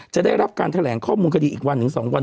จะได้รับการแถลงข้อมูลคดีอีกวันถึง๒วัน